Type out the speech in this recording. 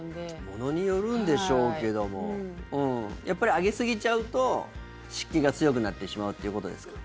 ものによるんでしょうけどやっぱりあげすぎちゃうと湿気が強くなってしまうっていうことですか。